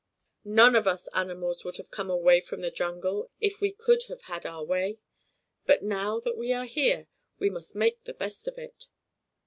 "None of us animals would have come away from the jungle if we could have had our way. But, now that we are here, we must make the best of it."